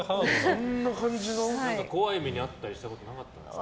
怖い目に遭ったりしたことなかったんですか？